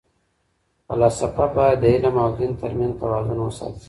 فلاسفه باید د علم او دین ترمنځ توازن وساتي.